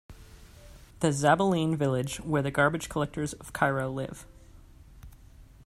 The Zabbaleen village where the garbage collectors of Cairo live.